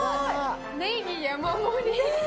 ねぎ山盛り。